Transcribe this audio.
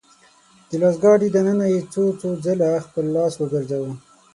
د لاس ګاډي دننه يې څو څو ځله خپل لاس وګرځاوه .